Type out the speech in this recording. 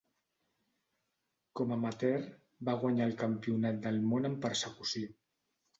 Com amateur, va guanyar el Campionat del món en Persecució.